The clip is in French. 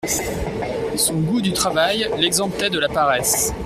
Son goût du travail l'exemptait de la paresse.